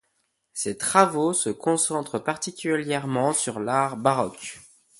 Ses travaux se concentrent particulièrement sur l'art baroque.